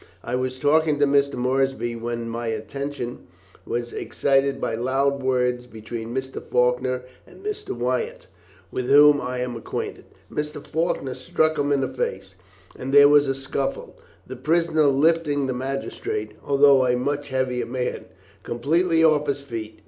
I was talking to Mr. Moorsby when my attention was excited by loud words between Mr. Faulkner and Mr. Wyatt, with whom I am acquainted. Mr. Faulkner struck him in the face, and there was a scuffle, the prisoner lifting the magistrate, although a much heavier man, completely off his feet.